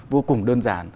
vô cùng đơn giản